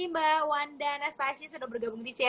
mba wanda nastasi sudah bergabung di sini